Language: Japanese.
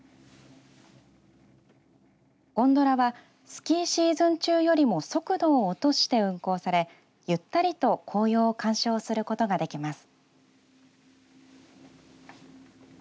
ゴンドラはスキーシーズン中よりも速度を落として運行されゆったりと紅葉を鑑賞することができます。